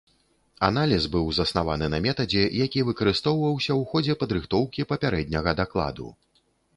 Аналіз быў заснаваны на метадзе, які выкарыстоўваўся ў ходзе падрыхтоўкі папярэдняга дакладу.